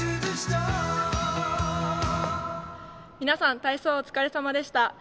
皆さん体操お疲れさまでした。